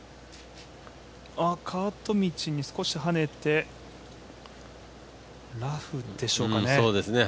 カート道に少し跳ねて、ラフでしょうかね。